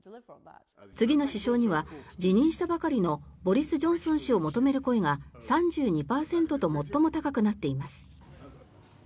次の首相には辞任したばかりのボリス・ジョンソン氏を求める声が３２％と最も高くなっています。